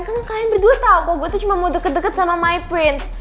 kan kalian berdua tau kok gue tuh cuma mau deket deket sama my prince